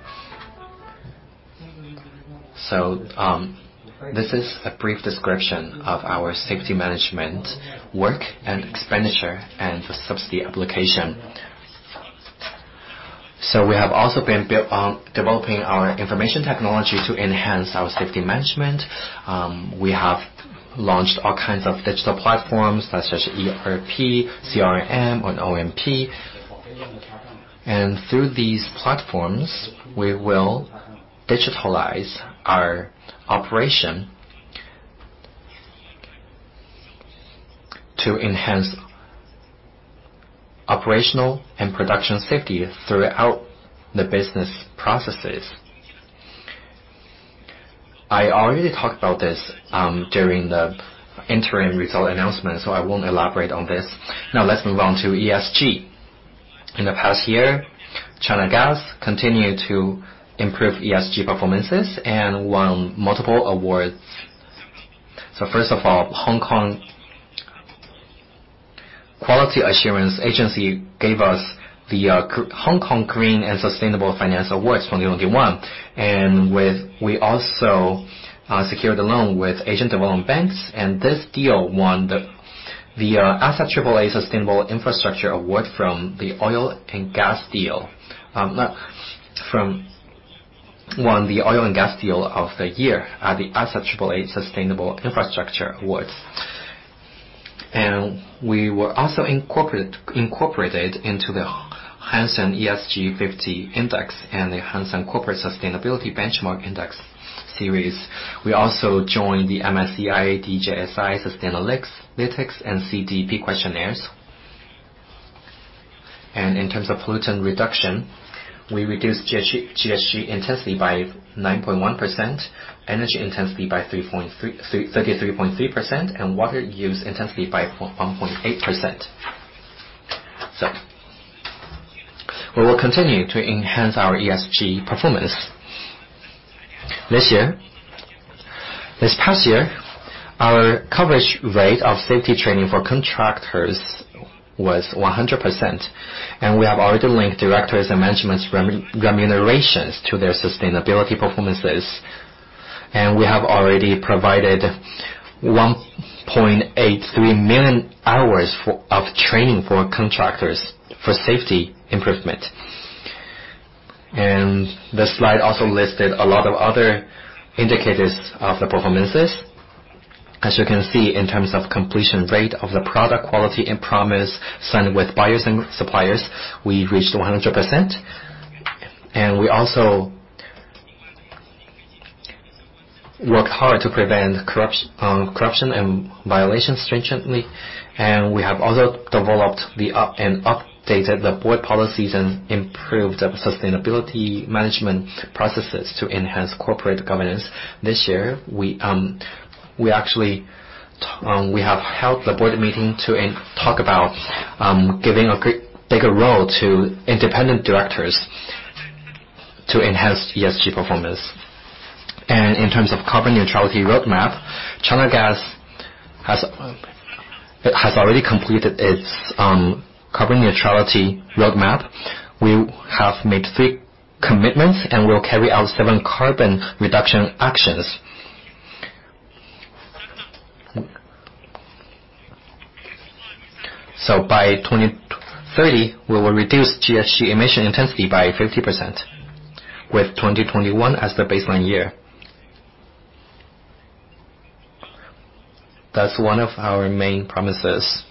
This is a brief description of our safety management work and expenditure and the subsidy application. We have also been developing our information technology to enhance our safety management. We have launched all kinds of digital platforms such as ERP, CRM, and OMP. Through these platforms, we will digitalize our operation to enhance operational and production safety throughout the business processes. I already talked about this during the interim result announcement, so I won't elaborate on this. Now, let's move on to ESG. In the past year, China Gas continued to improve ESG performances and won multiple awards. First of all, Hong Kong Quality Assurance Agency gave us the Hong Kong Green and Sustainable Finance Awards 2021. We also secured a loan with Asian Development Bank, and this deal won the Oil & Gas Deal of the Year at the Asset Triple A Sustainable Infrastructure Awards. We were also incorporated into the Hang Seng ESG 50 Index and the Hang Seng Corporate Sustainability Benchmark Index series. We also joined the MSCI, DJSI, Sustainalytics, and CDP questionnaires. In terms of pollutant reduction, we reduced GHG intensity by 9.1%, energy intensity by 33.3%, and water use intensity by 1.8%. We will continue to enhance our ESG performance. This past year, our coverage rate of safety training for contractors was 100%, and we have already linked directors' and management's remunerations to their sustainability performances. We have already provided 1.83 million hours of training for contractors for safety improvement. The slide also listed a lot of other indicators of the performances. As you can see, in terms of completion rate of the product quality and promise signed with buyers and suppliers, we reached 100%. We also worked hard to prevent corruption and violations stringently. We have also developed and updated the board policies and improved the sustainability management processes to enhance corporate governance. This year, we actually have held the board meeting to talk about giving a bigger role to independent directors to enhance ESG performance. In terms of carbon neutrality roadmap, China Gas has already completed its carbon neutrality roadmap. We have made three commitments and we'll carry out seven carbon reduction actions. By 2030, we will reduce GHG emission intensity by 50%, with 2021 as the baseline year. That's one of our main promises.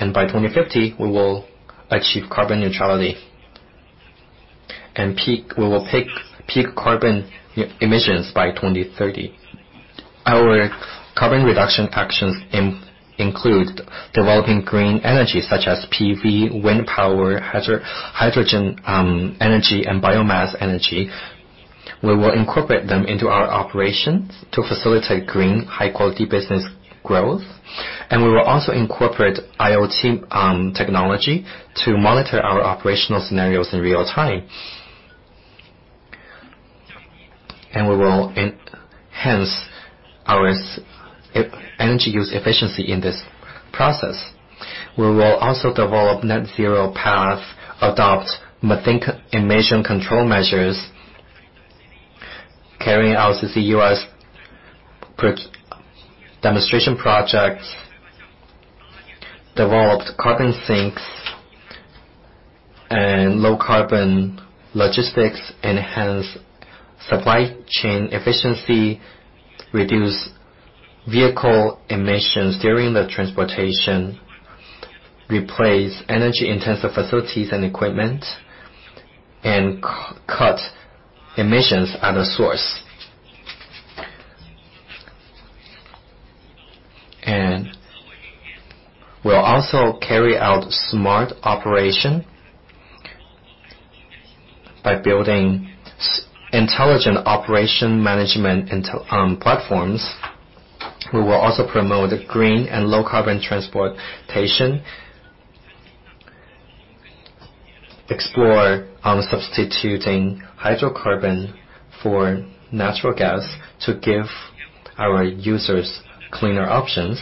By 2050, we will achieve carbon neutrality. We will peak carbon emissions by 2030. Our carbon reduction actions includes developing green energy such as PV, wind power, hydrogen energy, and biomass energy. We will incorporate them into our operations to facilitate green, high-quality business growth. We will also incorporate IoT technology to monitor our operational scenarios in real time. We will enhance our energy use efficiency in this process. We will also develop net zero path, adopt methane emission control measures, carrying out CCUS demonstration projects, developed carbon sinks and low carbon logistics, enhance supply chain efficiency, reduce vehicle emissions during the transportation, replace energy-intensive facilities and equipment, and cut emissions at the source. We'll also carry out smart operation by building intelligent operation management platforms. We will also promote green and low carbon transportation. Explore substituting hydrocarbon for natural gas to give our users cleaner options.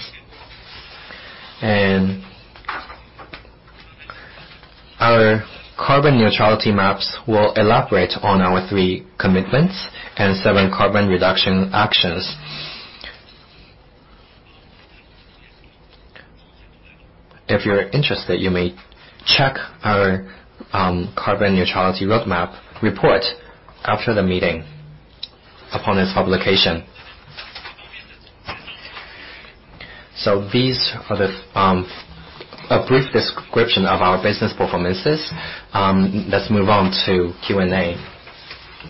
Our carbon neutrality maps will elaborate on our three commitments and seven carbon reduction actions. If you're interested, you may check our carbon neutrality roadmap report after the meeting upon its publication. These are a brief description of our business performances. Let's move on to Q&A.